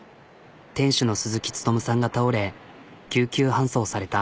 店主の鈴木力さんが倒れ救急搬送された。